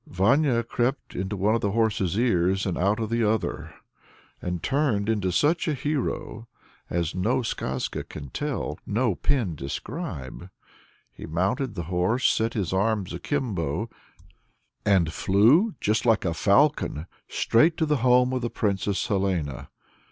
Vanya crept into one of the horse's ears and out of the other, and turned into such a hero as no skazka can tell of, no pen describe! He mounted the horse, set his arms akimbo, and flew, just like a falcon, straight to the home of the Princess Helena.